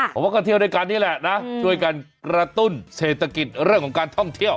ผมว่าก็เที่ยวด้วยกันนี่แหละนะช่วยกันกระตุ้นเศรษฐกิจเรื่องของการท่องเที่ยว